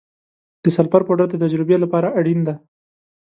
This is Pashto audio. د سلفر پوډر د تجربې لپاره اړین دی.